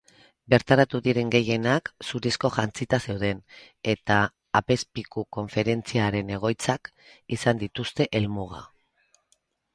Bertaratu diren gehienak zurizko jantzita zeuden, eta apezpiku-konferentziaren egoitzak izan dituzte helmuga.